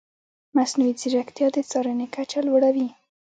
مصنوعي ځیرکتیا د څارنې کچه لوړه وي.